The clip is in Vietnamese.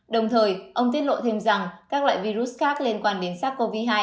đồng thời ông tiết lộ thêm rằng các loại virus khác liên quan đến sars cov hai